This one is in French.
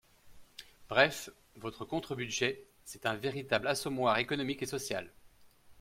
Bref, votre contre-budget, c’est un véritable assommoir économique et social.